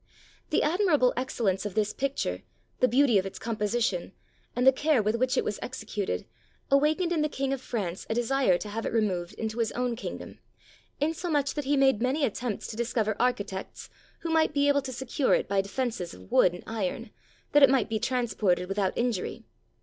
The admirable excellence of this picture, the beauty of its composition, and the care with which it was executed, awakened in the King of France a desire to have it re moved into his own kingdom, insomuch that he made many attempts to discover architects, who might be able to secure it by defenses of wood and iron, that it might be transported without injury.